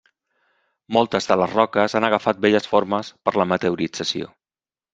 Moltes de les roques han agafat belles formes per la meteorització.